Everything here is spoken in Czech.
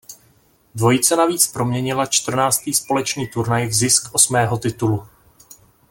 Dvojice navíc proměnila čtrnáctý společný turnaj v zisk osmého titulu.